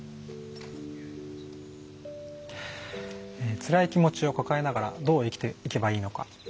つらい気持ちを抱えながらどう生きていけばいいのか。